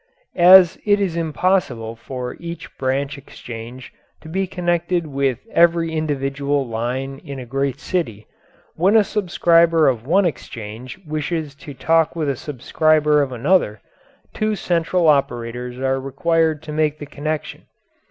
As it is impossible for each branch exchange to be connected with every individual line in a great city, when a subscriber of one exchange wishes to talk with a subscriber of another, two central operators are required to make the connection.